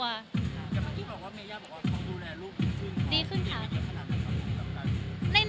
เมียย่าบอกว่าต้องดูแลลูกดีขึ้น